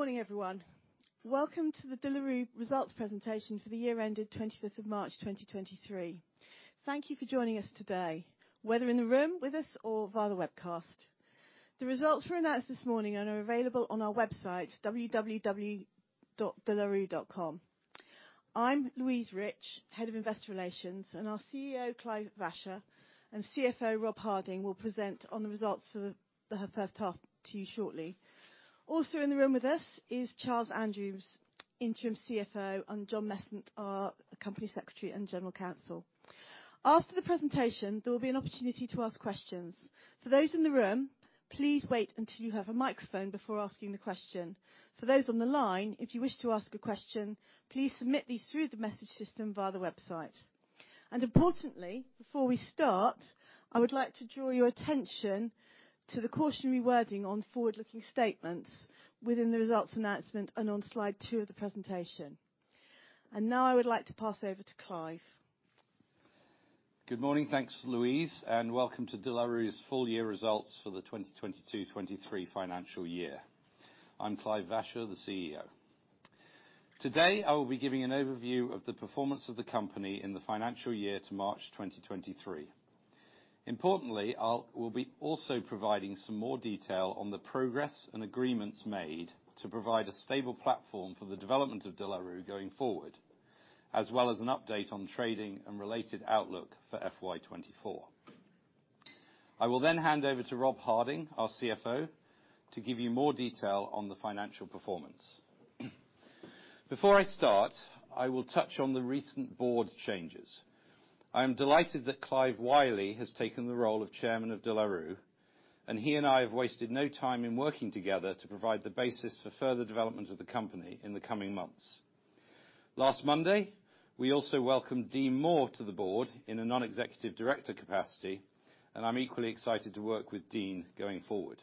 Good morning, everyone. Welcome to the De La Rue results presentation for the year ended 25th of March, 2023. Thank you for joining us today, whether in the room with us or via the webcast. The results were announced this morning and are available on our website, www.delarue.com. I'm Louise Rich, Head of Investor Relations, and our CEO, Clive Vacher, and CFO, Rob Harding, will present on the results of the first half to you shortly. Also in the room with us is Charles Andrews, Interim CFO, and Jon Messent, our Company Secretary and General Counsel. After the presentation, there will be an opportunity to ask questions. For those in the room, please wait until you have a microphone before asking the question. For those on the line, if you wish to ask a question, please submit these through the message system via the website. Importantly, before we start, I would like to draw your attention to the cautionary wording on forward-looking statements within the results announcement and on slide 2 of the presentation. Now, I would like to pass over to Clive. Good morning. Thanks, Louise, and welcome to De La Rue's full year results for the 2022, 2023 financial year. I'm Clive Vacher, the CEO. Today, I will be giving an overview of the performance of the company in the financial year to March 2023. Importantly, we'll be also providing some more detail on the progress and agreements made to provide a stable platform for the development of De La Rue going forward, as well as an update on trading and related outlook for FY 2024. I will then hand over to Rob Harding, our CFO, to give you more detail on the financial performance. Before I start, I will touch on the recent board changes. I am delighted that Clive Whiley has taken the role of Chairman of De La Rue, He and I have wasted no time in working together to provide the basis for further development of the company in the coming months. Last Monday, we also welcomed Dean Moore to the board in a Non-Executive Director capacity, I'm equally excited to work with Dean going forward.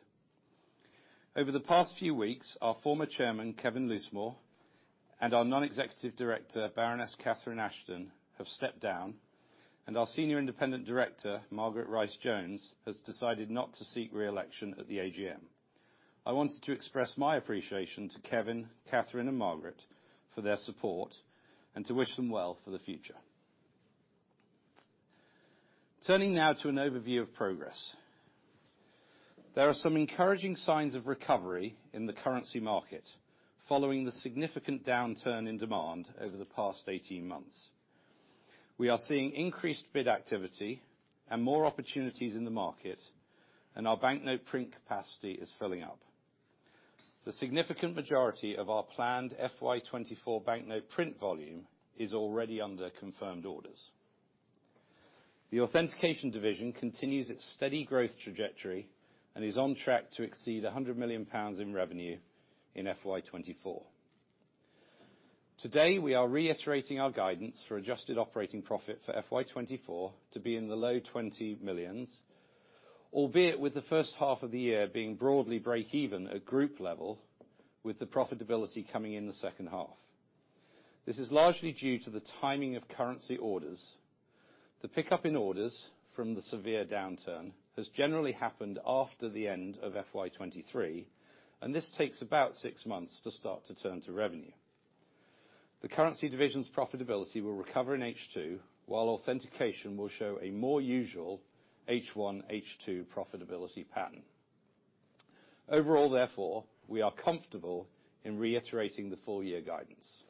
Over the past few weeks, our former Chairman, Kevin Loosemore, and our Non-Executive Director, Baroness Catherine Ashton, have stepped down, Our Senior Independent Director, Margaret Rice-Jones, has decided not to seek re-election at the AGM. I wanted to express my appreciation to Kevin, Catherine, and Margaret for their support and to wish them well for the future. Turning now to an overview of progress. There are some encouraging signs of recovery in the currency market, following the significant downturn in demand over the past 18 months. We are seeing increased bid activity and more opportunities in the market. Our banknote print capacity is filling up. The significant majority of our planned FY 2024 banknote print volume is already under confirmed orders. The authentication division continues its steady growth trajectory and is on track to exceed 100 million pounds in revenue in FY 2024. Today, we are reiterating our guidance for adjusted operating profit for FY 2024 to be in the low 20 millions, albeit with the first half of the year being broadly break even at group level, with the profitability coming in the second half. This is largely due to the timing of currency orders. The pickup in orders from the severe downturn has generally happened after the end of FY 23. This takes about 6 months to start to turn to revenue. The currency division's profitability will recover in H2, while authentication will show a more usual H1, H2 profitability pattern. Therefore, we are comfortable in reiterating the full year guidance.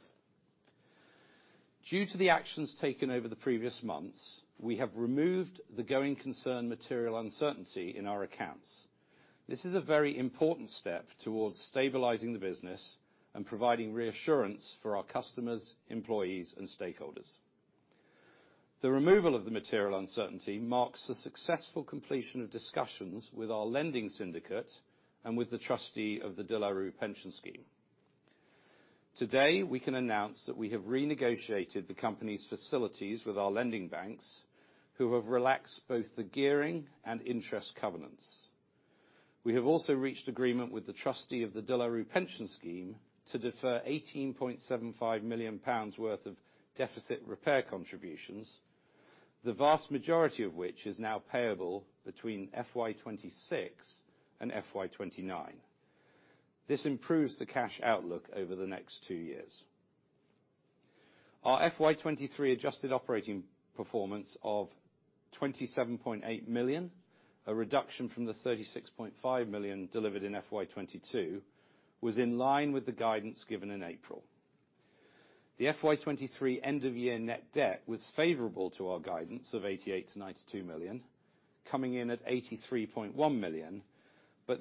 Due to the actions taken over the previous months, we have removed the going concern material uncertainty in our accounts. This is a very important step towards stabilizing the business and providing reassurance for our customers, employees and stakeholders. The removal of the material uncertainty marks the successful completion of discussions with our lending syndicate and with the trustee of the De La Rue Pension Scheme. Today, we can announce that we have renegotiated the company's facilities with our lending banks, who have relaxed both the gearing and interest covenants. We have also reached agreement with the trustee of the De La Rue Pension Scheme to defer GBP 18.75 million worth of deficit repair contributions, the vast majority of which is now payable between FY 2026 and FY 2029. This improves the cash outlook over the next two years. Our FY 2023 adjusted operating performance of 27.8 million, a reduction from the 36.5 million delivered in FY 2022, was in line with the guidance given in April. The FY 2023 end of year net debt was favorable to our guidance of 88 million-92 million, coming in at 83.1 million.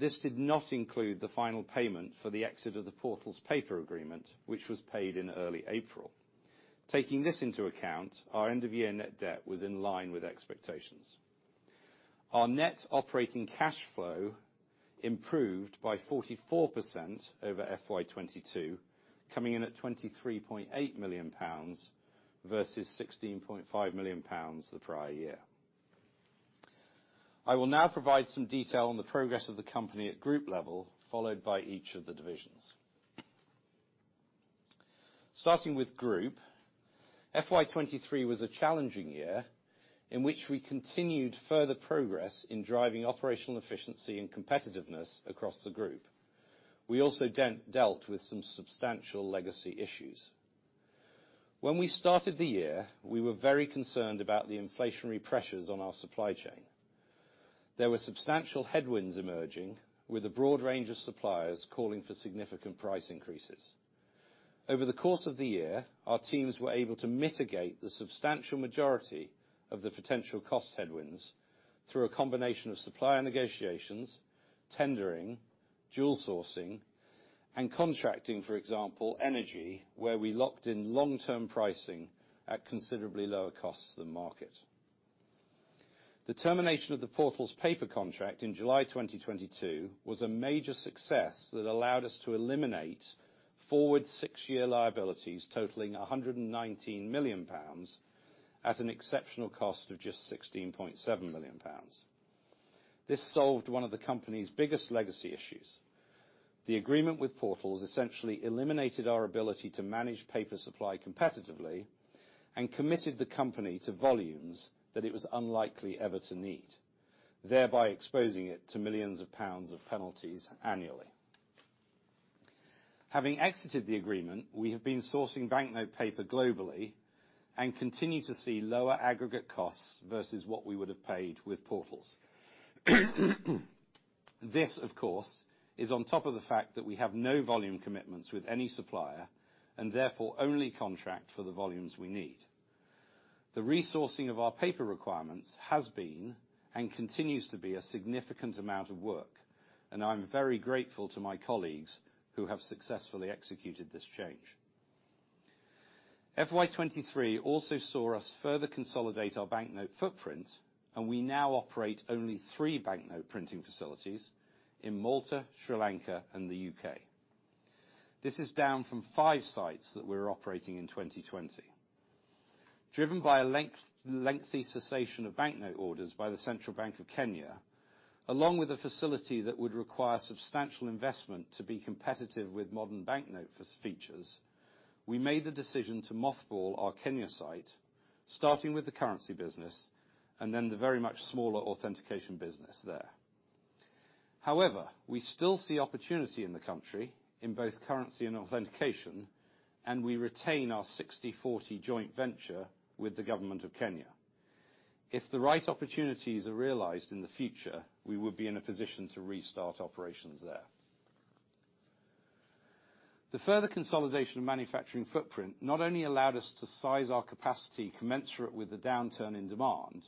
This did not include the final payment for the exit of the Portals Paper Agreement, which was paid in early April. Taking this into account, our end of year net debt was in line with expectations. Our net operating cash flow improved by 44% over FY 2022, coming in at 23.8 million pounds versus 16.5 million pounds the prior year. I will now provide some detail on the progress of the company at group level, followed by each of the divisions. Starting with group, FY 2023 was a challenging year in which we continued further progress in driving operational efficiency and competitiveness across the group. We also dealt with some substantial legacy issues. When we started the year, we were very concerned about the inflationary pressures on our supply chain. There were substantial headwinds emerging, with a broad range of suppliers calling for significant price increases. Over the course of the year, our teams were able to mitigate the substantial majority of the potential cost headwinds through a combination of supplier negotiations, tendering, dual sourcing, and contracting, for example, energy, where we locked in long-term pricing at considerably lower costs than market. The termination of the Portals paper contract in July 2022 was a major success that allowed us to eliminate forward 6-year liabilities totaling 119 million pounds, at an exceptional cost of just 16.7 million pounds. This solved one of the company's biggest legacy issues. The agreement with Portals essentially eliminated our ability to manage paper supply competitively and committed the company to volumes that it was unlikely ever to need, thereby exposing it to millions of GBP of penalties annually. Having exited the agreement, we have been sourcing banknote paper globally, and continue to see lower aggregate costs versus what we would have paid with Portals. This, of course, is on top of the fact that we have no volume commitments with any supplier, and therefore only contract for the volumes we need. The resourcing of our paper requirements has been, and continues to be, a significant amount of work, and I'm very grateful to my colleagues who have successfully executed this change. FY 2023 also saw us further consolidate our banknote footprint, and we now operate only 3 banknote printing facilities in Malta, Sri Lanka, and the UK. This is down from 5 sites that we were operating in 2020. Driven by a lengthy cessation of banknote orders by the Central Bank of Kenya, along with a facility that would require substantial investment to be competitive with modern banknote features, we made the decision to mothball our Kenya site, starting with the currency business, and then the very much smaller authentication business there. We still see opportunity in the country in both currency and authentication, and we retain our 60/40 joint venture with the government of Kenya. If the right opportunities are realized in the future, we will be in a position to restart operations there. The further consolidation of manufacturing footprint not only allowed us to size our capacity commensurate with the downturn in demand,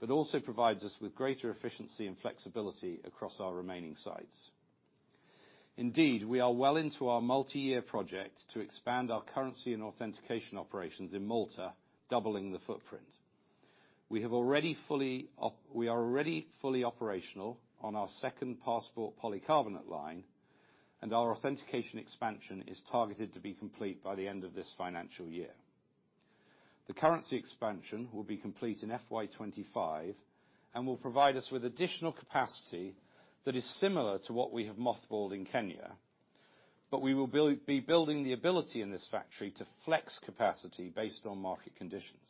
but also provides us with greater efficiency and flexibility across our remaining sites. We are well into our multi-year project to expand our currency and authentication operations in Malta, doubling the footprint. We are already fully operational on our second passport polycarbonate line. Our authentication expansion is targeted to be complete by the end of this financial year. The currency expansion will be complete in FY 25, will provide us with additional capacity that is similar to what we have mothballed in Kenya. We will be building the ability in this factory to flex capacity based on market conditions.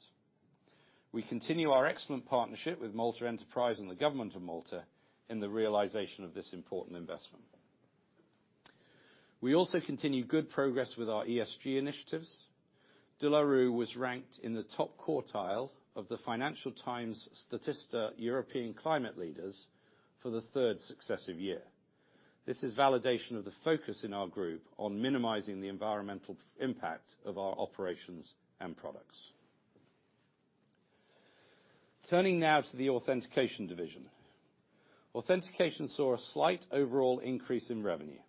We continue our excellent partnership with Malta Enterprise and the government of Malta in the realization of this important investment. We also continue good progress with our ESG initiatives. De La Rue was ranked in the top quartile of the Financial Times Statista European Climate Leaders for the third successive year. This is validation of the focus in our group on minimizing the environmental impact of our operations and products. Turning now to the Authentication division. Authentication saw a slight overall increase in revenue.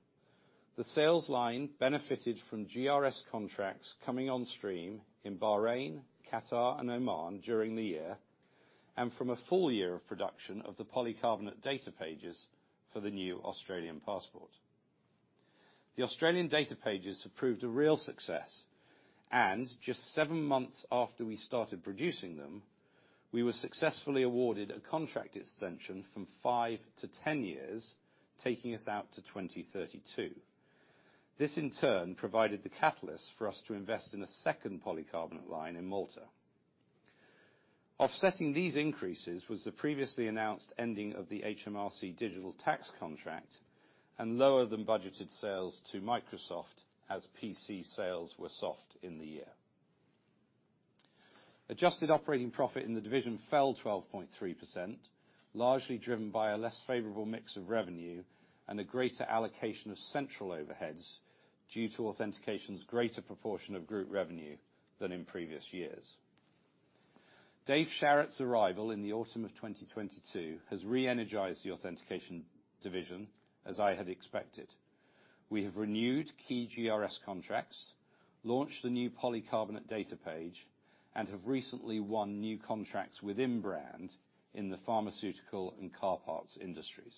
The sales line benefited from GRS contracts coming on stream in Bahrain, Qatar, and Oman during the year, and from a full year of production of the polycarbonate data pages for the new Australian passport. The Australian data pages have proved a real success, and just 7 months after we started producing them, we were successfully awarded a contract extension from 5-10 years, taking us out to 2032. This, in turn, provided the catalyst for us to invest in a second polycarbonate line in Malta. Offsetting these increases was the previously announced ending of the HMRC digital tax contract, and lower than budgeted sales to Microsoft as PC sales were soft in the year. Adjusted operating profit in the division fell 12.3%, largely driven by a less favorable mix of revenue and a greater allocation of central overheads due to authentication's greater proportion of group revenue than in previous years. Dave Sharratt's arrival in the autumn of 2022 has re-energized the authentication division, as I had expected. We have renewed key GRS contracts, launched the new polycarbonate data pages, and have recently won new contracts within brand in the pharmaceutical and car parts industries.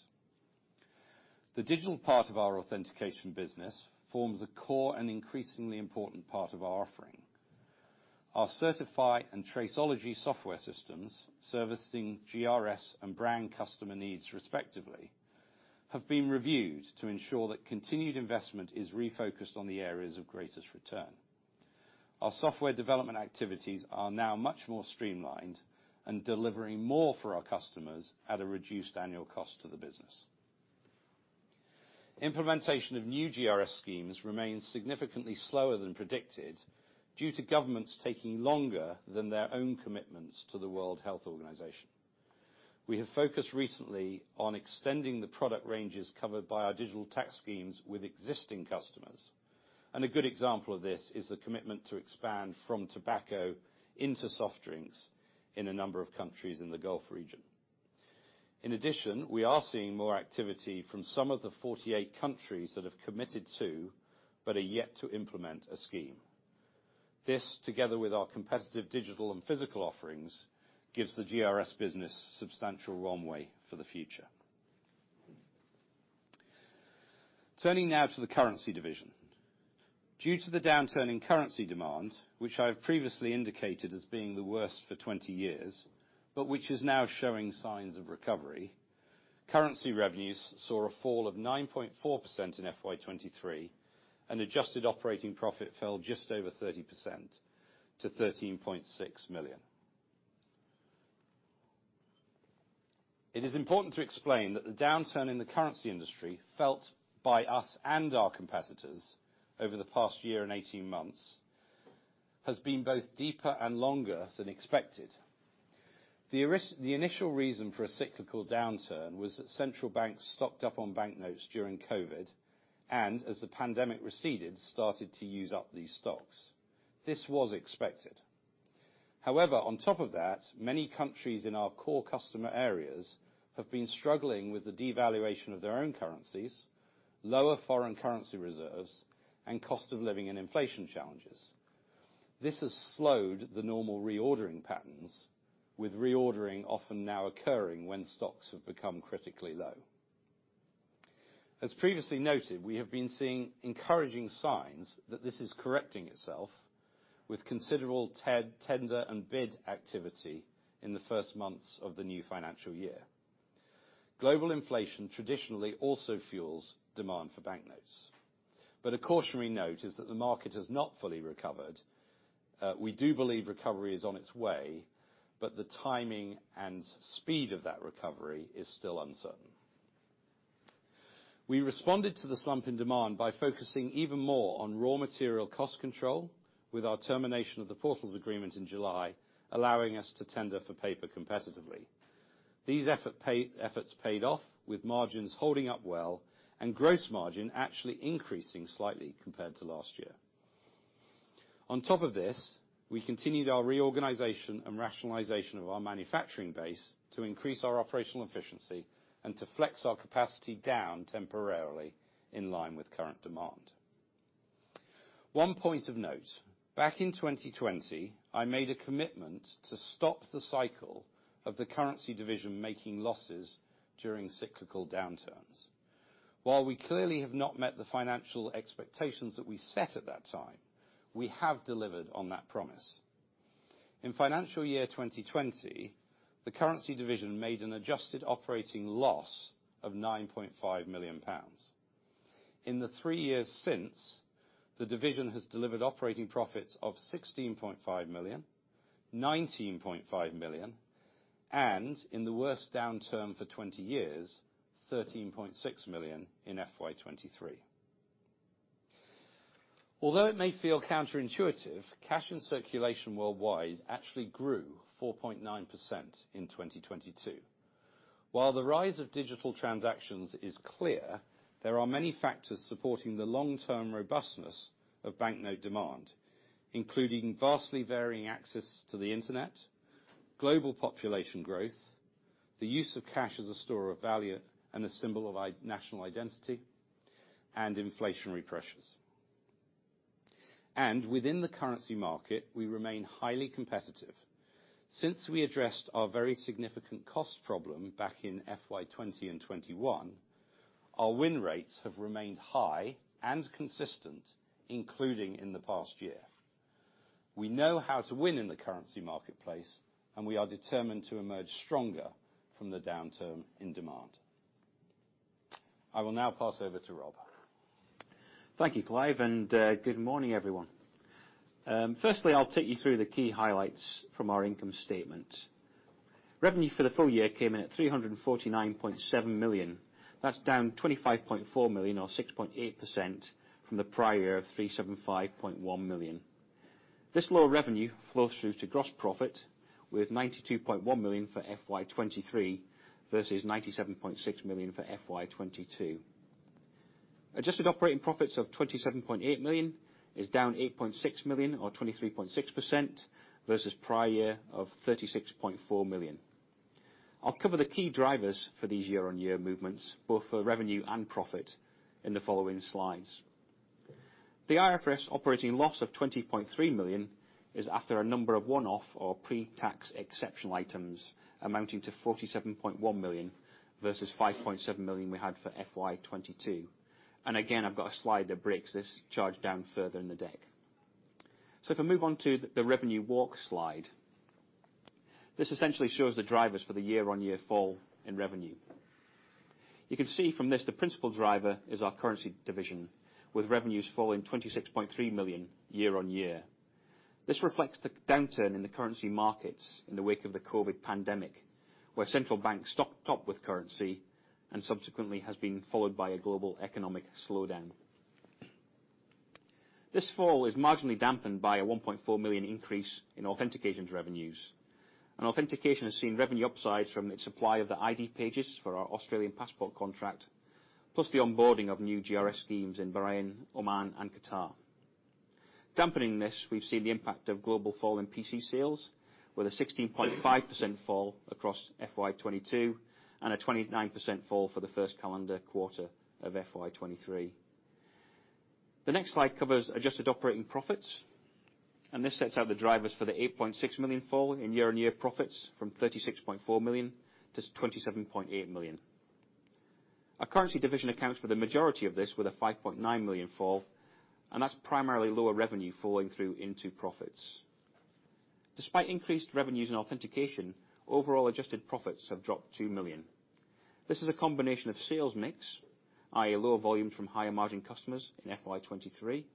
The digital part of our authentication business forms a core and increasingly important part of our offering. Our DLR Certify and Traceology software systems, servicing GRS and brand customer needs respectively, have been reviewed to ensure that continued investment is refocused on the areas of greatest return. Our software development activities are now much more streamlined and delivering more for our customers at a reduced annual cost to the business. Implementation of new GRS schemes remains significantly slower than predicted, due to governments taking longer than their own commitments to the World Health Organization. We have focused recently on extending the product ranges covered by our digital tax schemes with existing customers. A good example of this is the commitment to expand from tobacco into soft drinks in a number of countries in the Gulf region. We are seeing more activity from some of the 48 countries that have committed to, but are yet to implement a scheme. This, together with our competitive digital and physical offerings, gives the GRS business substantial runway for the future. Turning now to the currency division. Due to the downturn in currency demand, which I have previously indicated as being the worst for 20 years, but which is now showing signs of recovery, currency revenues saw a fall of 9.4% in FY 2023, and adjusted operating profit fell just over 30% to 13.6 million. It is important to explain that the downturn in the currency industry, felt by us and our competitors over the past year and 18 months, has been both deeper and longer than expected. The initial reason for a cyclical downturn was that central banks stocked up on banknotes during COVID, and as the pandemic receded, started to use up these stocks. This was expected. However, on top of that, many countries in our core customer areas have been struggling with the devaluation of their own currencies, lower foreign currency reserves, and cost of living and inflation challenges. This has slowed the normal reordering patterns, with reordering often now occurring when stocks have become critically low. As previously noted, we have been seeing encouraging signs that this is correcting itself with considerable tender and bid activity in the first months of the new financial year. Global inflation traditionally also fuels demand for banknotes, but a cautionary note is that the market has not fully recovered. We do believe recovery is on its way, but the timing and speed of that recovery is still uncertain. We responded to the slump in demand by focusing even more on raw material cost control, with our termination of the Portals agreement in July, allowing us to tender for paper competitively. These efforts paid off, with margins holding up well, and gross margin actually increasing slightly compared to last year. On top of this, we continued our reorganization and rationalization of our manufacturing base to increase our operational efficiency and to flex our capacity down temporarily in line with current demand. One point of note, back in 2020, I made a commitment to stop the cycle of the currency division making losses during cyclical downturns. While we clearly have not met the financial expectations that we set at that time, we have delivered on that promise. In financial year 2020, the currency division made an adjusted operating loss of 9.5 million pounds. In the three years since, the division has delivered operating profits of 16.5 million, 19.5 million, and in the worst downturn for 20 years, 13.6 million in FY 2023. Although it may feel counterintuitive, cash in circulation worldwide actually grew 4.9% in 2022. While the rise of digital transactions is clear, there are many factors supporting the long-term robustness of banknote demand, including vastly varying access to the internet, global population growth, the use of cash as a store of value and a symbol of national identity, inflationary pressures. Within the currency market, we remain highly competitive. Since we addressed our very significant cost problem back in FY 2020 and 2021, our win rates have remained high and consistent, including in the past year. We know how to win in the currency marketplace, and we are determined to emerge stronger from the downturn in demand. I will now pass over to Rob. Thank you, Clive, good morning, everyone. Firstly, I'll take you through the key highlights from our income statement. Revenue for the full year came in at 349.7 million. That's down 25.4 million, or 6.8% from the prior year of 375.1 million. This lower revenue flows through to gross profit, with 92.1 million for FY23 versus 97.6 million for FY22. Adjusted operating profits of 27.8 million is down 8.6 million, or 23.6%, versus prior year of 36.4 million. I'll cover the key drivers for these year-on-year movements, both for revenue and profit, in the following slides. The IFRS operating loss of 20.3 million is after a number of one-off or pre-tax exceptional items amounting to 47.1 million versus 5.7 million we had for FY 2022. Again, I've got a slide that breaks this charge down further in the deck. If I move on to the revenue walk slide. This essentially shows the drivers for the year-on-year fall in revenue. You can see from this, the principal driver is our currency division, with revenues falling 26.3 million year-on-year. This reflects the downturn in the currency markets in the wake of the COVID pandemic, where central banks stocked up with currency and subsequently has been followed by a global economic slowdown. This fall is marginally dampened by a 1.4 million increase in Authentication revenues. Authentication has seen revenue upsides from its supply of the ID pages for our Australian passport contract, plus the onboarding of new GRS schemes in Bahrain, Oman, and Qatar. Dampening this, we've seen the impact of global fall in PC sales, with a 16.5% fall across FY 2022, and a 29% fall for the first calendar quarter of FY 2023. The next slide covers adjusted operating profit, this sets out the drivers for the 8.6 million fall in year-on-year profits from 36.4 million to 27.8 million. Our currency division accounts for the majority of this with a 5.9 million fall, that's primarily lower revenue falling through into profits. Despite increased revenues in Authentication, overall adjusted profits have dropped 2 million. This is a combination of sales mix, i.e., lower volumes from higher margin customers in FY 2023,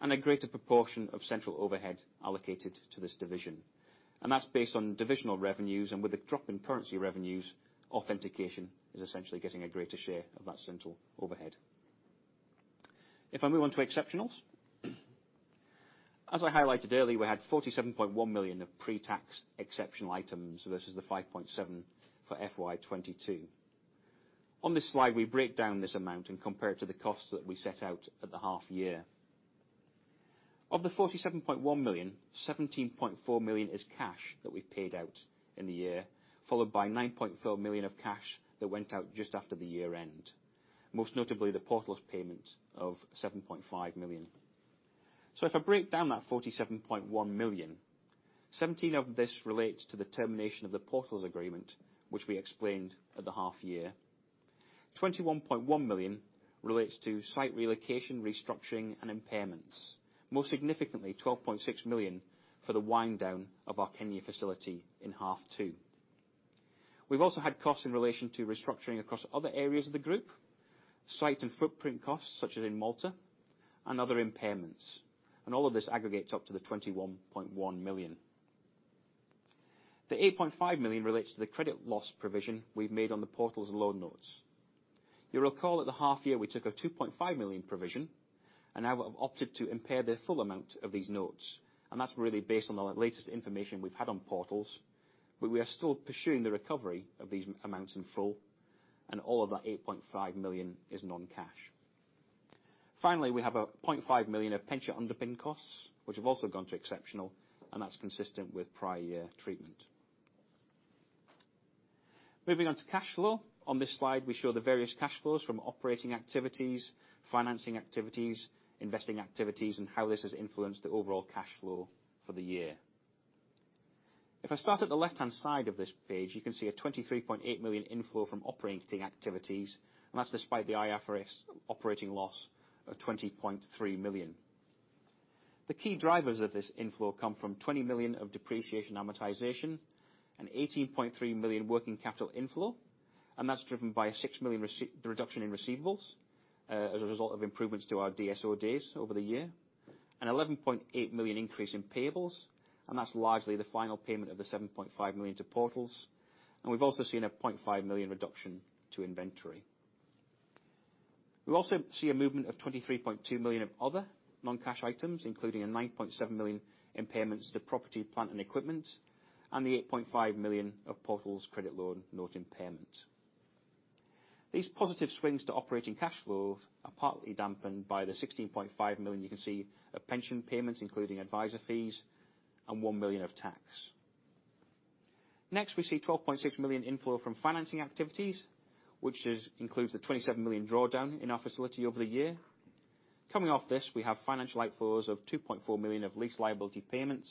and a greater proportion of central overhead allocated to this division. That's based on divisional revenues, and with a drop in currency revenues, Authentication is essentially getting a greater share of that central overhead. If I move on to exceptionals, as I highlighted earlier, we had 47.1 million of pre-tax exceptional items versus the 5.7 for FY 2022. On this slide, we break down this amount and compare it to the costs that we set out at the half year. Of the 47.1 million, 17.4 million is cash that we've paid out in the year, followed by 9.4 million of cash that went out just after the year end, most notably the Portals payment of 7.5 million. If I break down that 47.1 million, 17 million of this relates to the termination of the Portals agreement, which we explained at the half year. 21.1 million relates to site relocation, restructuring, and impairments. Most significantly, 12.6 million for the wind down of our Kenya facility in H2. We've also had costs in relation to restructuring across other areas of the group, site and footprint costs, such as in Malta, and other impairments. All of this aggregates up to the 21.1 million. The 8.5 million relates to the credit loss provision we've made on the Portals loan notes. You'll recall at the half year, we took a 2.5 million provision. Now we have opted to impair the full amount of these notes. That's really based on the latest information we've had on Portals. We are still pursuing the recovery of these amounts in full. All of that 8.5 million is non-cash. Finally, we have a 0.5 million of pension underpin costs, which have also gone to exceptional. That's consistent with prior year treatment. Moving on to cash flow. On this slide, we show the various cash flows from operating activities, financing activities, investing activities, and how this has influenced the overall cash flow for the year. If I start at the left-hand side of this page, you can see a 23.8 million inflow from operating activities. That's despite the IFRS operating loss of 20.3 million. The key drivers of this inflow come from 20 million of depreciation amortization and 18.3 million working capital inflow. That's driven by a 6 million reduction in receivables as a result of improvements to our DSO days over the year, an 11.8 million increase in payables. That's largely the final payment of the 7.5 million to Portals. We've also seen a 0.5 million reduction to inventory. We also see a movement of 23.2 million of other non-cash items, including a 9.7 million impairments to property, plant, and equipment, and the 8.5 million of Portals credit loan note impairment. These positive swings to operating cash flows are partly dampened by the 16.5 million you can see of pension payments, including advisor fees and 1 million of tax. Next, we see 12.6 million inflow from financing activities, which includes a 27 million drawdown in our facility over the year. Coming off this, we have financial outflows of 2.4 million of lease liability payments,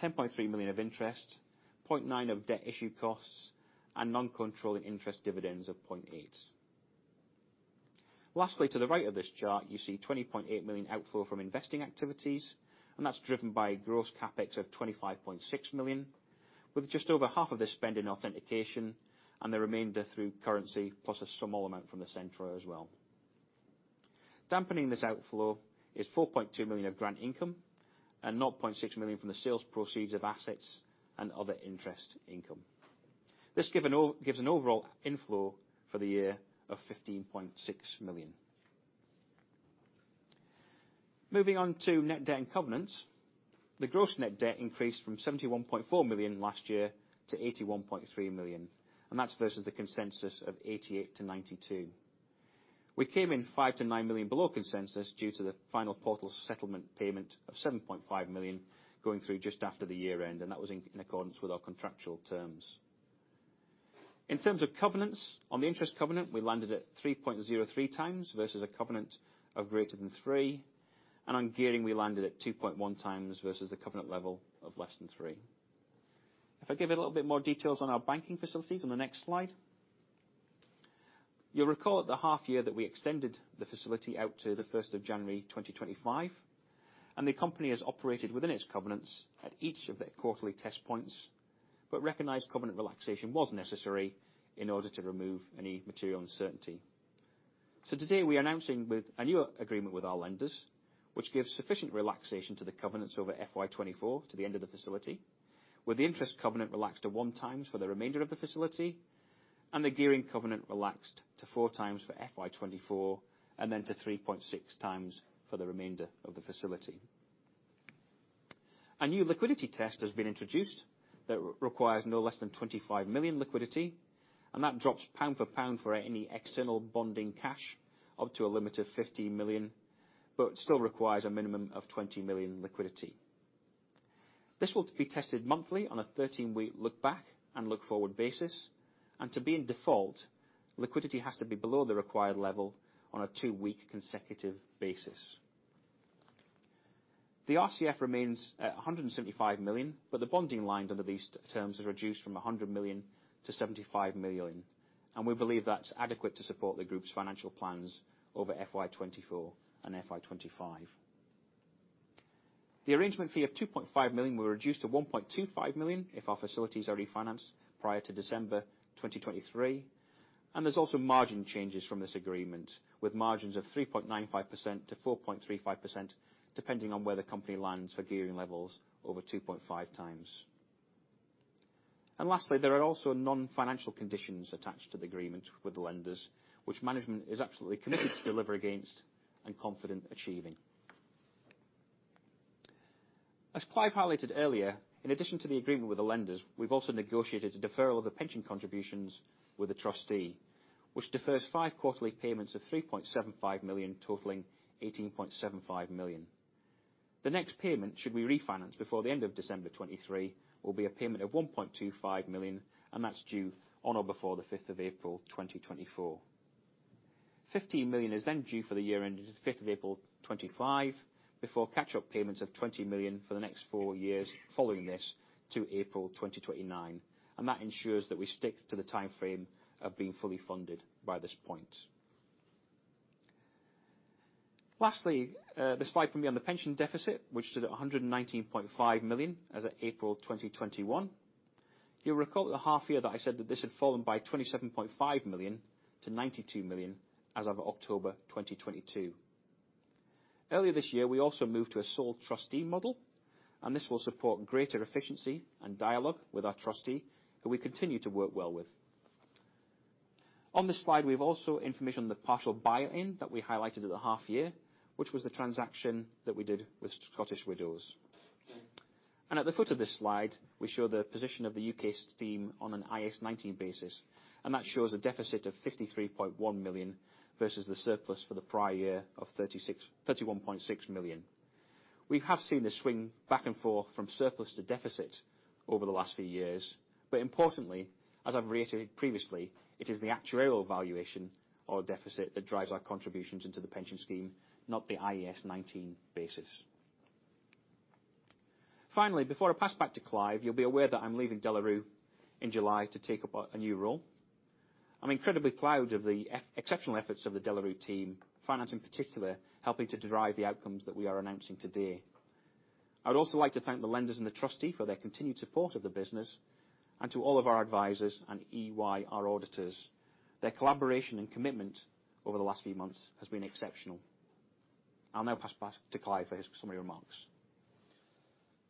10.3 million of interest, 0.9 million of debt issue costs, and non-controlling interest dividends of 0.8 million. Lastly, to the right of this chart, you see 20.8 million outflow from investing activities, and that's driven by gross CapEx of 25.6 million, with just over half of this spend in authentication and the remainder through currency, plus a small amount from the Centre as well. Dampening this outflow is 4.2 million of grant income and 0.6 million from the sales proceeds of assets and other interest income. This gives an overall inflow for the year of 15.6 million. Moving on to net debt and covenants. The gross net debt increased from 71.4 million last year to 81.3 million. That's versus the consensus of 88 million-92 million. We came in 5 million-9 million below consensus due to the final Portals settlement payment of 7.5 million going through just after the year end. That was in accordance with our contractual terms. In terms of covenants, on the interest covenant, we landed at 3.03 times versus a covenant of greater than 3, and on gearing, we landed at 2.1 times versus a covenant level of less than 3. If I give it a little bit more details on our banking facilities on the next slide? You'll recall at the half year that we extended the facility out to January 1, 2025, and the company has operated within its covenants at each of their quarterly test points, but recognized covenant relaxation was necessary in order to remove any material uncertainty. Today, we are announcing with a new agreement with our lenders, which gives sufficient relaxation to the covenants over FY 2024 to the end of the facility, with the interest covenant relaxed to 1 times for the remainder of the facility, and the gearing covenant relaxed to 4 times for FY 2024, and then to 3.6 times for the remainder of the facility. A new liquidity test has been introduced that requires no less than 25 million liquidity, and that drops pound for pound for any external bonding cash, up to a limit of 15 million, but still requires a minimum of 20 million liquidity. This will be tested monthly on a 13-week look back and look forward basis, and to be in default, liquidity has to be below the required level on a 2-week consecutive basis. The RCF remains at 175 million. The bonding line under these terms is reduced from 100 million to 75 million. We believe that's adequate to support the group's financial plans over FY 2024 and FY 2025. The arrangement fee of 2.5 million will be reduced to 1.25 million if our facilities are refinanced prior to December 2023. There's also margin changes from this agreement, with margins of 3.95% to 4.35%, depending on where the company lands for gearing levels over 2.5 times. Lastly, there are also non-financial conditions attached to the agreement with the lenders, which management is absolutely committed to deliver against and confident achieving. As Clive highlighted earlier, in addition to the agreement with the lenders, we've also negotiated a deferral of the pension contributions with the trustee, which defers five quarterly payments of 3.75 million, totaling 18.75 million. The next payment, should we refinance before the end of December 2023, will be a payment of 1.25 million, and that's due on or before the fifth of April, 2024. 15 million is then due for the year ending fifth of April 2025, before catch-up payments of 20 million for the next four years following this to April 2029. That ensures that we stick to the timeframe of being fully funded by this point. Lastly, the slide for me on the pension deficit, which stood at 119.5 million as at April 2021. You'll recall at the half year that I said that this had fallen by 27.5 million to 92 million as of October 2022. Earlier this year, we also moved to a sole trustee model. This will support greater efficiency and dialogue with our trustee, who we continue to work well with. On this slide, we've also information on the partial buy-in that we highlighted at the half year, which was the transaction that we did with Scottish Widows. At the foot of this slide, we show the position of the UK scheme on an IAS 19 basis, and that shows a deficit of 53.1 million versus the surplus for the prior year of 31.6 million. We have seen this swing back and forth from surplus to deficit over the last few years, importantly, as I've reiterated previously, it is the actuarial valuation or deficit that drives our contributions into the pension scheme, not the IAS 19 basis. Finally, before I pass back to Clive, you'll be aware that I'm leaving De La Rue in July to take up a new role. I'm incredibly proud of the exceptional efforts of the De La Rue team, finance in particular, helping to derive the outcomes that we are announcing today. I would also like to thank the lenders and the trustee for their continued support of the business, to all of our advisors and EY, our auditors. Their collaboration and commitment over the last few months has been exceptional. I'll now pass back to Clive for his summary remarks.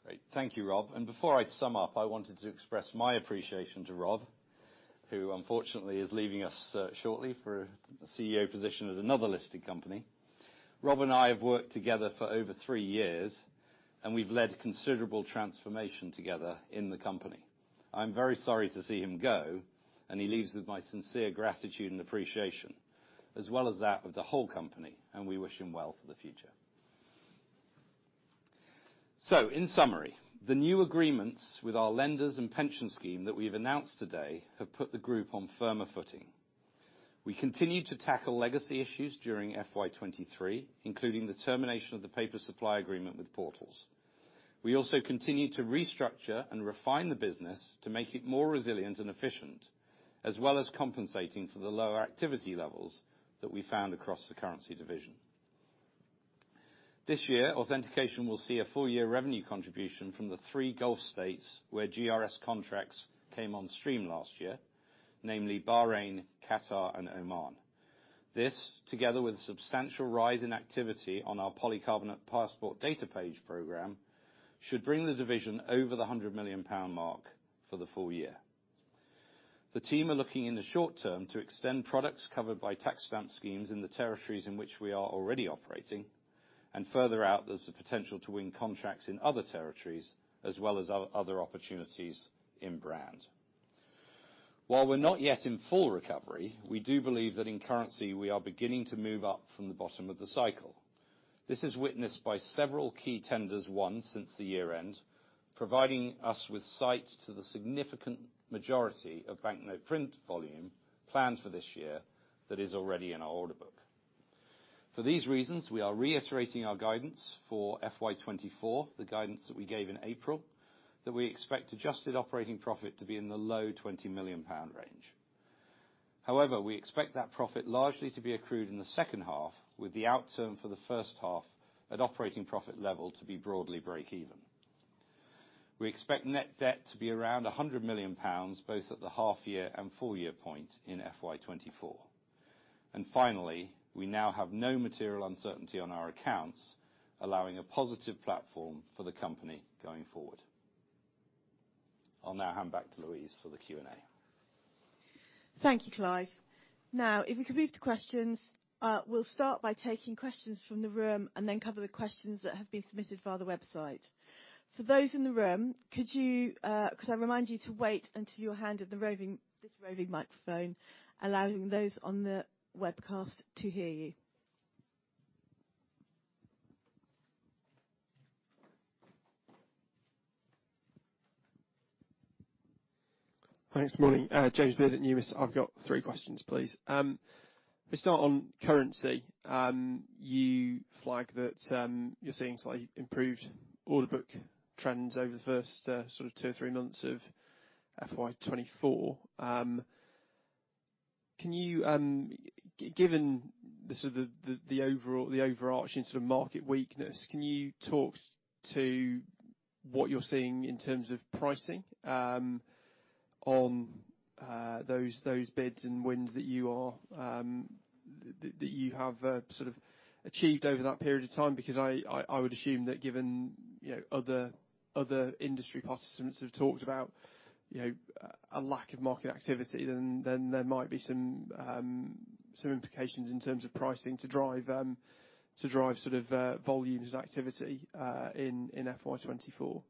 Great. Thank you, Rob. Before I sum up, I wanted to express my appreciation to Rob, who unfortunately is leaving us shortly for a CEO position at another listed company. Rob and I have worked together for over three years, we've led considerable transformation together in the company. I'm very sorry to see him go, he leaves with my sincere gratitude and appreciation, as well as that of the whole company, we wish him well for the future. In summary, the new agreements with our lenders and pension scheme that we've announced today have put the group on firmer footing. We continue to tackle legacy issues during FY 2023, including the termination of the paper supply agreement with Portals. We also continue to restructure and refine the business to make it more resilient and efficient, as well as compensating for the lower activity levels that we found across the currency division. This year, authentication will see a full year revenue contribution from the 3 Gulf states where GRS contracts came on stream last year, namely Bahrain, Qatar, and Oman. This, together with a substantial rise in activity on our polycarbonate passport data page program, should bring the division over the 100 million pound mark for the full year. The team are looking in the short term to extend products covered by tax stamp schemes in the territories in which we are already operating, and further out, there's the potential to win contracts in other territories, as well as other opportunities in brand. While we're not yet in full recovery, we do believe that in currency, we are beginning to move up from the bottom of the cycle. This is witnessed by several key tenders won since the year end, providing us with sight to the significant majority of banknote print volume planned for this year that is already in our order book. For these reasons, we are reiterating our guidance for FY 2024, the guidance that we gave in April, that we expect adjusted operating profit to be in the low 20 million pound range. However, we expect that profit largely to be accrued in the second half, with the outcome for the first half at operating profit level to be broadly break even. We expect net debt to be around 100 million pounds, both at the half year and full year point in FY 2024. Finally, we now have no material uncertainty on our accounts, allowing a positive platform for the company going forward. I'll now hand back to Louise for the Q&A. Thank you, Clive. If we could move to questions, we'll start by taking questions from the room and then cover the questions that have been submitted via the website. For those in the room, could you, could I remind you to wait until you're handed the roving, this roving microphone, allowing those on the webcast to hear you? Thanks. Morning, James Beard at Numis. I've got 3 questions, please. Let's start on currency. You flagged that you're seeing slightly improved order book trends over the first sort of 2 or 3 months of FY 2024. Can you given the sort of the overall, the overarching sort of market weakness, can you talk to what you're seeing in terms of pricing on those bids and wins that you have sort of achieved over that period of time? I would assume that given, you know, other industry participants have talked about, you know, a lack of market activity, then there might be some implications in terms of pricing to drive sort of volumes and activity in FY 2024.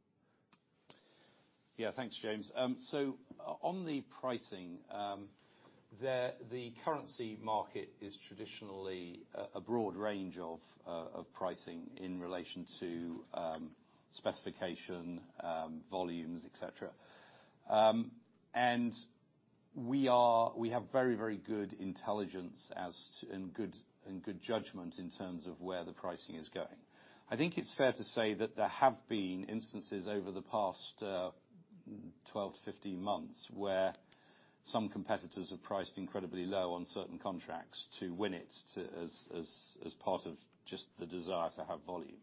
Yeah. Thanks, James. On the pricing, the currency market is traditionally a broad range of pricing in relation to specification, volumes, et cetera. We have very good intelligence as to. Good judgment in terms of where the pricing is going. I think it's fair to say that there have been instances over the past 12-15 months, where some competitors have priced incredibly low on certain contracts to win it, as part of just the desire to have volume.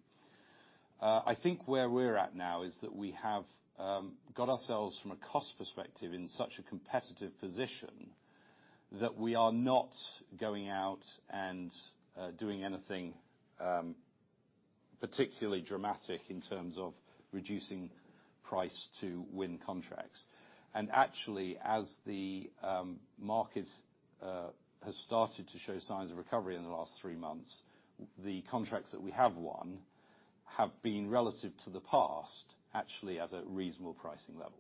I think where we're at now is that we have got ourselves, from a cost perspective, in such a competitive position that we are not going out and doing anything particularly dramatic in terms of reducing price to win contracts. As the market has started to show signs of recovery in the last three months, the contracts that we have won have been relative to the past, actually at a reasonable pricing level.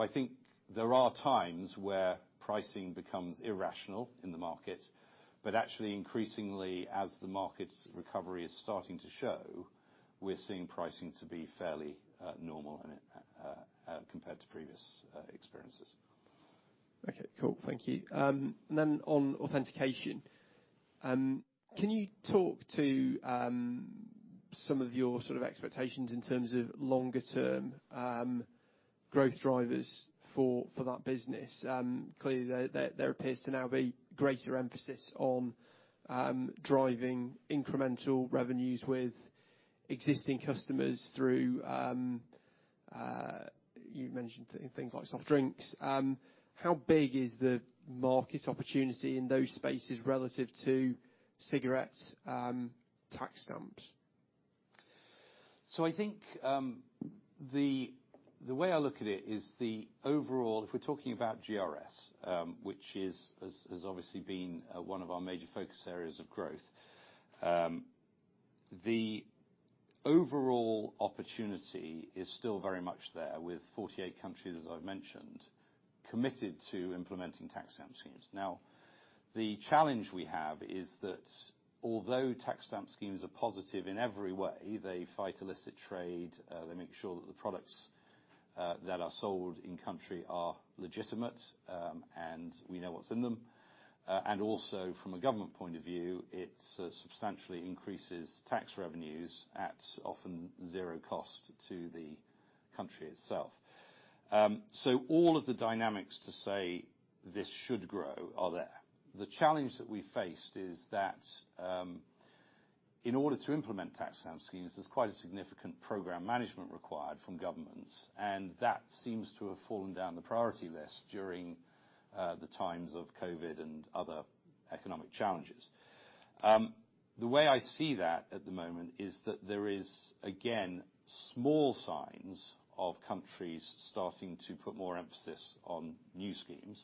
I think there are times where pricing becomes irrational in the market, but actually, increasingly, as the market's recovery is starting to show, we're seeing pricing to be fairly normal and compared to previous experiences. Okay, cool. Thank you. On authentication, can you talk to some of your sort of expectations in terms of longer term growth drivers for that business? There appears to now be greater emphasis on driving incremental revenues with existing customers through you mentioned things like soft drinks. How big is the market opportunity in those spaces relative to cigarettes, tax stamps? I think, the way I look at it is the overall, if we're talking about GRS, which has obviously been one of our major focus areas of growth, the overall opportunity is still very much there, with 48 countries, as I've mentioned, committed to implementing tax stamp schemes. Now, the challenge we have is that although tax stamp schemes are positive in every way, they fight illicit trade, they make sure that the products that are sold in country are legitimate, and we know what's in them. And also from a government point of view, it substantially increases tax revenues at often 0 cost to the country itself. All of the dynamics to say this should grow are there. The challenge that we faced is that, in order to implement tax stamp schemes, there's quite a significant program management required from governments, and that seems to have fallen down the priority list during the times of COVID and other economic challenges. The way I see that at the moment is that there is, again, small signs of countries starting to put more emphasis on new schemes.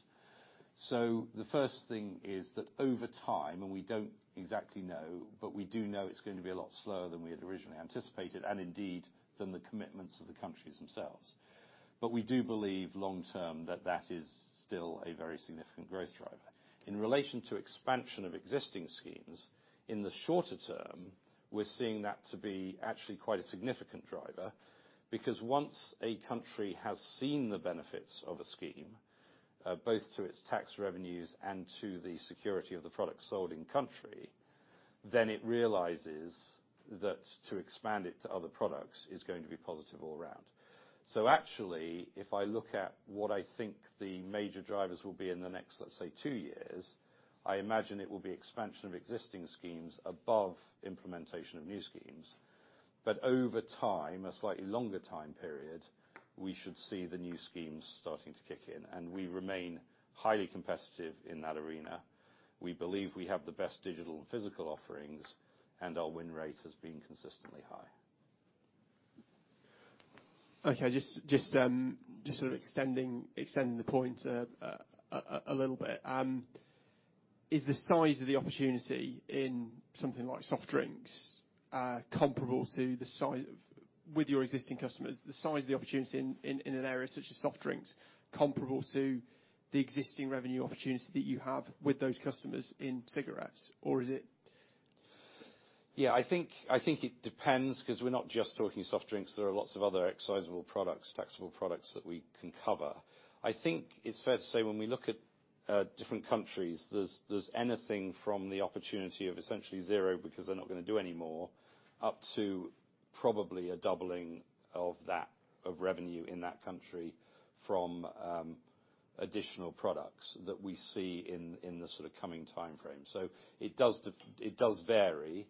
The first thing is that over time, and we don't exactly know, but we do know it's going to be a lot slower than we had originally anticipated and indeed, than the commitments of the countries themselves. We do believe long term, that that is still a very significant growth driver. In relation to expansion of existing schemes, in the shorter term. We're seeing that to be actually quite a significant driver, because once a country has seen the benefits of a scheme, both through its tax revenues and to the security of the product sold in country, then it realizes that to expand it to other products is going to be positive all around. Actually, if I look at what I think the major drivers will be in the next, let's say, 2 years, I imagine it will be expansion of existing schemes above implementation of new schemes. Over time, a slightly longer time period, we should see the new schemes starting to kick in, and we remain highly competitive in that arena. We believe we have the best digital and physical offerings, and our win rate has been consistently high. Just sort of extending the point, a little bit. Is the size of the opportunity in something like soft drinks, comparable to with your existing customers, the size of the opportunity in an area such as soft drinks comparable to the existing revenue opportunity that you have with those customers in cigarettes, or is it? Yeah, I think it depends, 'cause we're not just talking soft drinks. There are lots of other excisable products, taxable products that we can cover. I think it's fair to say when we look at different countries, there's anything from the opportunity of essentially 0, because they're not going to do any more, up to probably a doubling of that, of revenue in that country from additional products that we see in the sort of coming time frame. It does vary,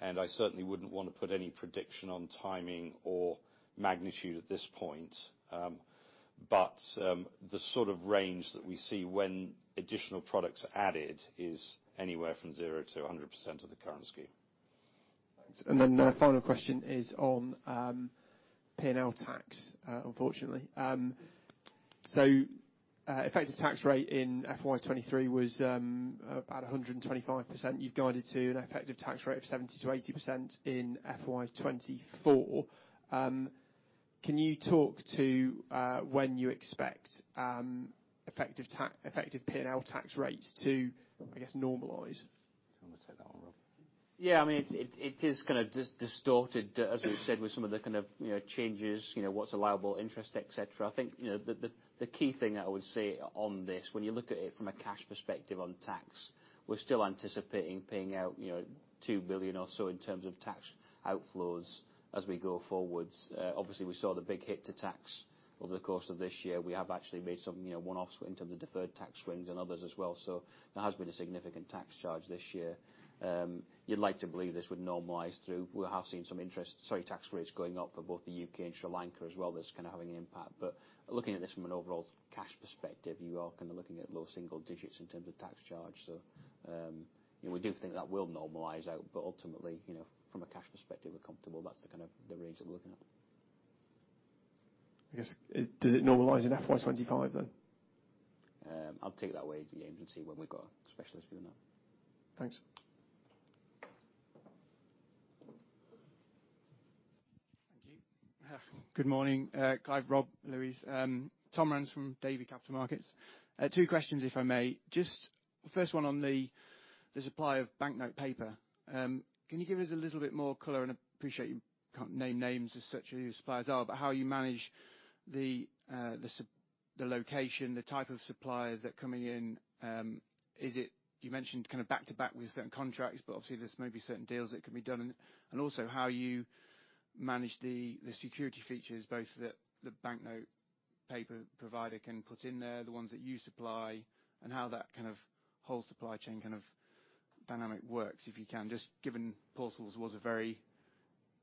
and I certainly wouldn't want to put any prediction on timing or magnitude at this point. The sort of range that we see when additional products are added is anywhere from 0 to 100% of the current scheme. Thanks. The final question is on P&L tax, unfortunately. Effective tax rate in FY 2023 was about 125%. You've guided to an effective tax rate of 70%-80% in FY 2024. Can you talk to when you expect effective P&L tax rates to, I guess, normalize? You want to take that one, Rob? Yeah, I mean, it is kind of distorted, as we've said, with some of the kind of, you know, changes, you know, what's allowable interest, et cetera. I think, you know, the key thing I would say on this, when you look at it from a cash perspective on tax, we're still anticipating paying out, you know, 2 billion or so in terms of tax outflows as we go forwards. Obviously, we saw the big hit to tax over the course of this year. We have actually made some, you know, one-offs in terms of deferred tax rings and others as well. There has been a significant tax charge this year. You'd like to believe this would normalize through. We have seen some interest, sorry, tax rates going up for both the U.K. and Sri Lanka as well. That's kind of having an impact, but looking at this from an overall cash perspective, you are kind of looking at low single digits in terms of tax charge. We do think that will normalize out, but ultimately, you know, from a cash perspective, we're comfortable that's the kind of the range that we're looking at. I guess, does it normalize in FY 25, then? I'll take that away, James, and see when we've got a specialist view on that. Thanks. Thank you. Good morning, Clive, Rob, Louise. Tom Rands from Davy Capital Markets. Two questions, if I may. Just first one on the supply of banknote paper. Can you give us a little bit more color, and I appreciate you can't name names as such who your suppliers are, but how you manage the location, the type of suppliers that are coming in. Is it, you mentioned kind of back to back with certain contracts, but obviously, there may be certain deals that can be done, and also how you manage the security features, both that the banknote paper provider can put in there, the ones that you supply, and how that kind of whole supply chain kind of dynamic works, if you can, just given Portals was a very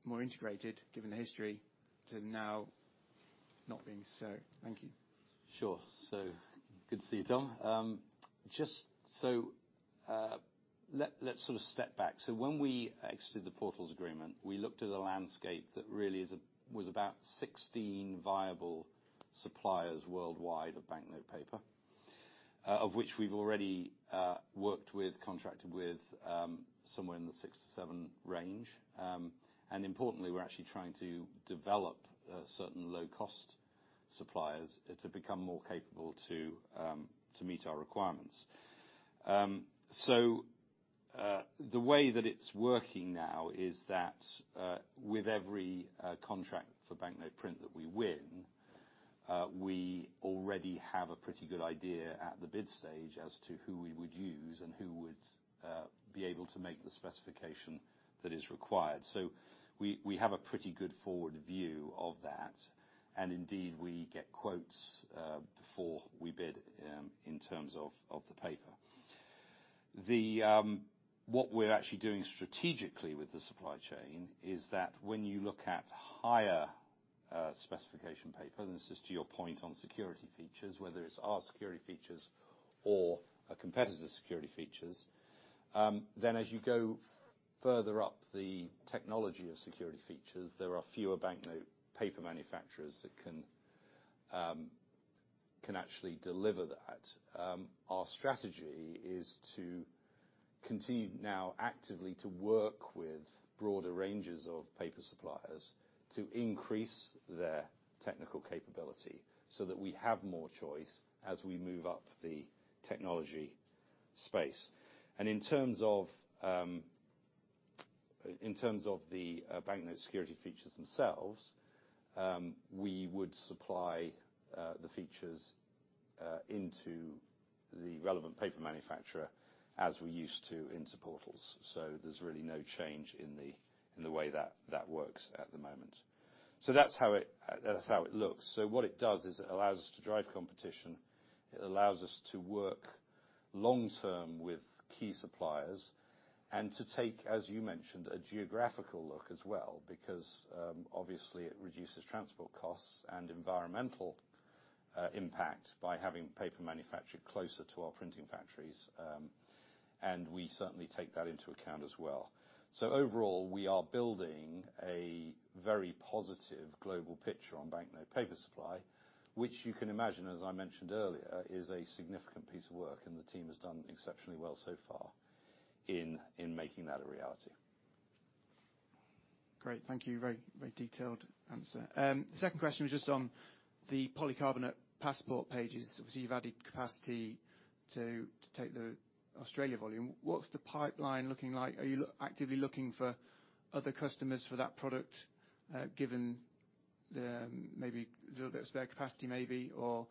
more integrated, given the history, to now not being so. Thank you. Sure. Good to see you, Tom. Just let's sort of step back. When we exited the Portals agreement, we looked at a landscape that really was about 16 viable suppliers worldwide of banknote paper, of which we've already worked with, contracted with, somewhere in the 6 to 7 range. Importantly, we're actually trying to develop certain low-cost suppliers to become more capable to meet our requirements. The way that it's working now is that with every contract for banknote print that we win, we already have a pretty good idea at the bid stage as to who we would use and who would be able to make the specification that is required. We have a pretty good forward view of that, indeed, we get quotes before we bid in terms of the paper. What we're actually doing strategically with the supply chain is that when you look at higher specification paper, and this is to your point on security features, whether it's our security features or a competitor's security features, then as you go further up the technology of security features, there are fewer banknote paper manufacturers that can actually deliver that. Our strategy is to continue now actively to work with broader ranges of paper suppliers to increase their technical capability so that we have more choice as we move up the technology space. In terms of... In terms of the banknote security features themselves, we would supply the features into the relevant paper manufacturer as we used to into Portals. There's really no change in the way that works at the moment. That's how it looks. What it does is it allows us to drive competition, it allows us to work long-term with key suppliers, and to take, as you mentioned, a geographical look as well. Because, obviously, it reduces transport costs and environmental impact by having paper manufactured closer to our printing factories. We certainly take that into account as well. Overall, we are building a very positive global picture on banknote paper supply, which you can imagine, as I mentioned earlier, is a significant piece of work, and the team has done exceptionally well so far in making that a reality. Great. Thank you. Very, very detailed answer. The 2nd question was just on the polycarbonate passport pages. Obviously, you've added capacity to take the Australia volume. What's the pipeline looking like? Are you actively looking for other customers for that product, given the maybe little bit of spare capacity, maybe, or?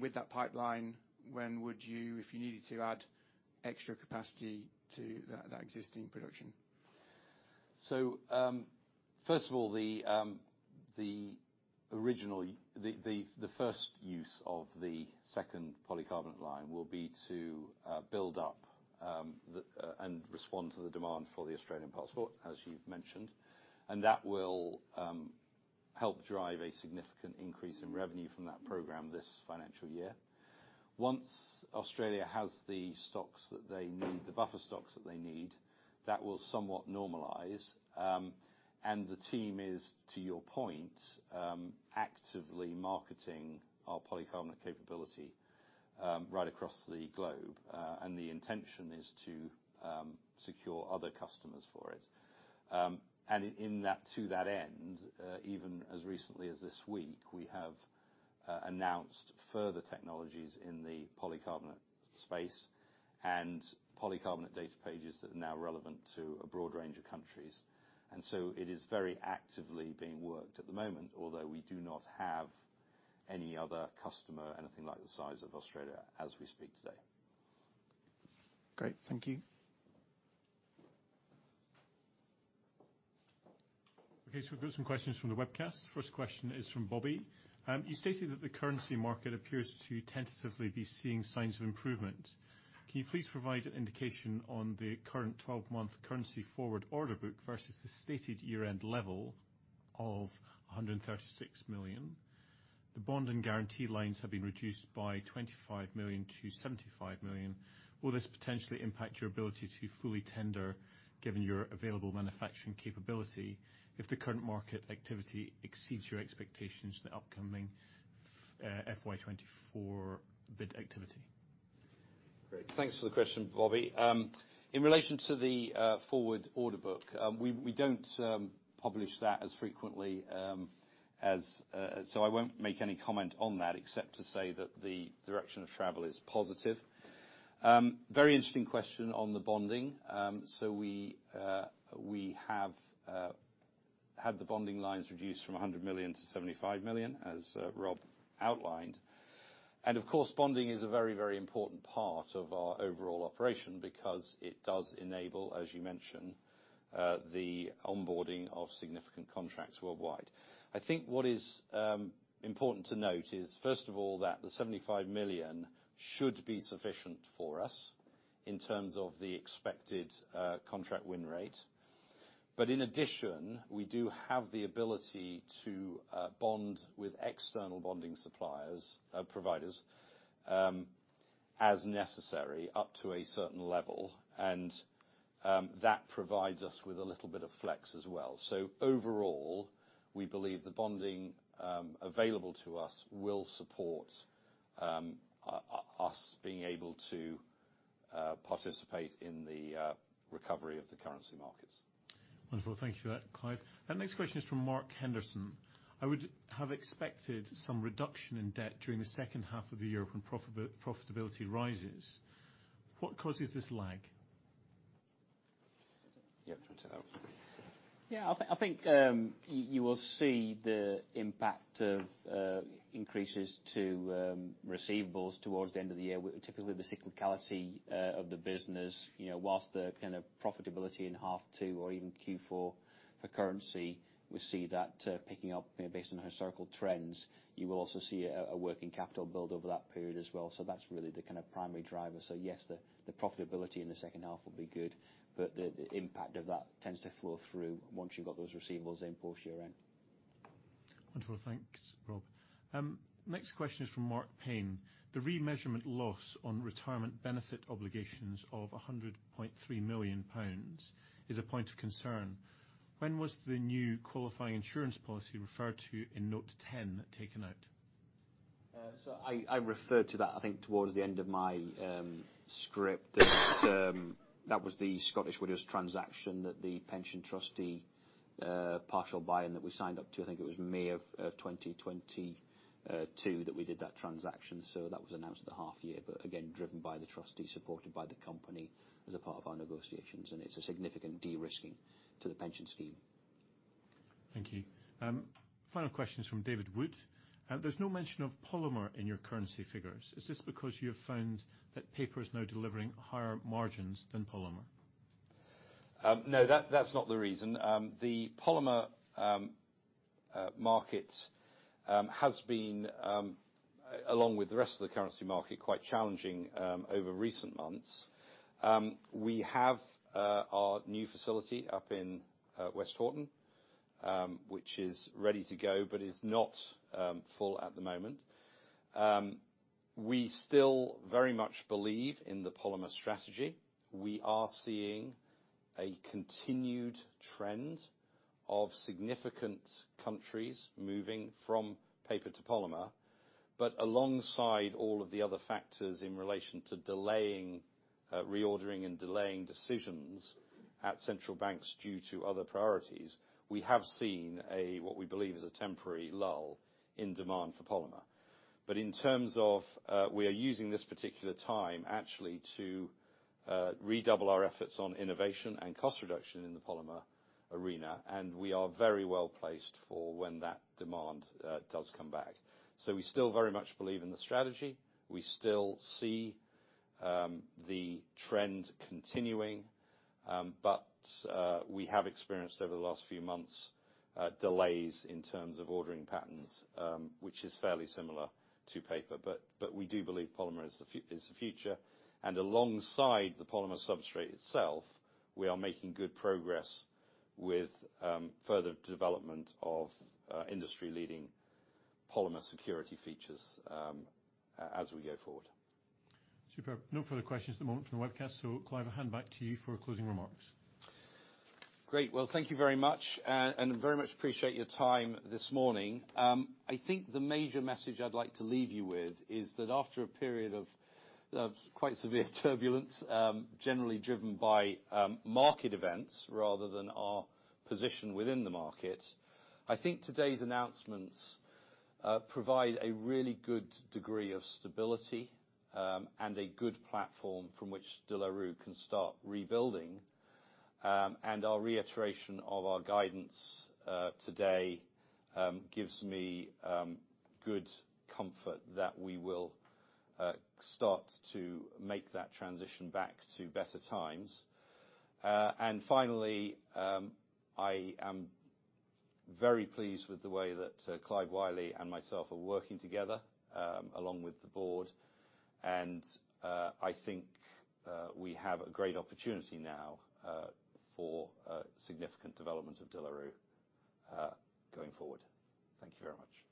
With that pipeline, when would you, if you needed to, add extra capacity to that existing production? First of all, the 1st use of the 2nd polycarbonate line will be to build up and respond to the demand for the Australian passport, as you've mentioned. That will help drive a significant increase in revenue from that program this financial year. Once Australia has the stocks that they need, the buffer stocks that they need, that will somewhat normalize. The team is, to your point, actively marketing our polycarbonate capability right across the globe. The intention is to secure other customers for it. In that to that end, even as recently as this week, we have announced further technologies in the polycarbonate space and polycarbonate data pages that are now relevant to a broad range of countries. It is very actively being worked at the moment, although we do not have any other customer, anything like the size of Australia as we speak today. Great. Thank you. Okay, we've got some questions from the webcast. First question is from Bobby. You stated that the currency market appears to tentatively be seeing signs of improvement. Can you please provide an indication on the current 12-month currency forward order book versus the stated year-end level of 136 million? The bond and guarantee lines have been reduced by 25 million to 75 million. Will this potentially impact your ability to fully tender, given your available manufacturing capability, if the current market activity exceeds your expectations in the upcoming FY 2024 bid activity? Great. Thanks for the question, Rob Harding. In relation to the forward order book, we don't publish that as frequently. I won't make any comment on that, except to say that the direction of travel is positive. Very interesting question on the bonding. We have had the bonding lines reduced from 100 million to 75 million, as Rob Harding outlined. Of course, bonding is a very, very important part of our overall operation because it does enable, as you mentioned, the onboarding of significant contracts worldwide. I think what is important to note is, first of all, that the 75 million should be sufficient for us in terms of the expected contract win rate. In addition, we do have the ability to bond with external bonding suppliers, providers, as necessary up to a certain level, and that provides us with a little bit of flex as well. Overall, we believe the bonding available to us will support us being able to participate in the recovery of the currency markets. Wonderful. Thank you for that, Clive. Our next question is from Mark Henderson. I would have expected some reduction in debt during the second half of the year when profitability rises. What causes this lag? Yeah, do you want to take that one? Yeah, I think you will see the impact of increases to receivables towards the end of the year, typically the cyclicality of the business. You know, whilst the kind of profitability in half two or even Q4 for currency, we see that picking up based on historical trends. You will also see a working capital build over that period as well. That's really the kind of primary driver. Yes, the profitability in the second half will be good, but the impact of that tends to flow through once you've got those receivables in post year-end. Wonderful. Thanks, Rob. Next question is from Mark Payne. The remeasurement loss on retirement benefit obligations of 100.3 million pounds is a point of concern. When was the new qualifying insurance policy referred to in note 10 taken out? I referred to that, I think, towards the end of my script. That was the Scottish Widows transaction that the pension trustee-. partial buy-in that we signed up to, I think it was May of 2022, that we did that transaction. That was announced at the half year. Again, driven by the trustee, supported by the company as a part of our negotiations, it's a significant de-risking to the pension scheme. Thank you. Final question is from David Wood. There's no mention of polymer in your currency figures. Is this because you have found that paper is now delivering higher margins than polymer? No, that's not the reason. The polymer market has been, along with the rest of the currency market, quite challenging over recent months. We have our new facility up in Westhoughton, which is ready to go but is not full at the moment. We still very much believe in the polymer strategy. We are seeing a continued trend of significant countries moving from paper to polymer. Alongside all of the other factors in relation to delaying reordering and delaying decisions at central banks due to other priorities, we have seen a, what we believe is a temporary lull in demand for polymer. In terms of, we are using this particular time actually to redouble our efforts on innovation and cost reduction in the polymer arena, and we are very well-placed for when that demand does come back. We still very much believe in the strategy. We still see the trend continuing, we have experienced over the last few months, delays in terms of ordering patterns, which is fairly similar to paper. We do believe polymer is the future, and alongside the polymer substrate itself, we are making good progress with further development of industry-leading polymer security features as we go forward. Superb. No further questions at the moment from the webcast, Clive, I hand back to you for closing remarks. Great. Well, thank you very much, and very much appreciate your time this morning. I think the major message I'd like to leave you with is that after a period of quite severe turbulence, generally driven by market events rather than our position within the market, I think today's announcements provide a really good degree of stability and a good platform from which De La Rue can start rebuilding. Our reiteration of our guidance today gives me good comfort that we will start to make that transition back to better times. Finally, I am very pleased with the way that Clive Whiley and myself are working together, along with the board, and I think we have a great opportunity now for significant development of De La Rue going forward. Thank you very much.